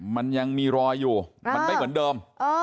มันยังมีรอยอยู่มันไม่เหมือนเดิม